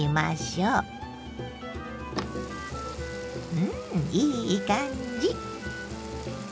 うんいい感じ。